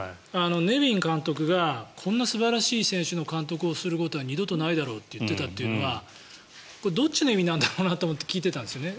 ネビン監督がこんな素晴らしい選手の監督をすることは二度とないだろうと言っていたのがどっちの意味なんだろうなと思って聞いていたんですね。